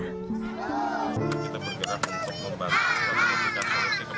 kita bergerak untuk membangun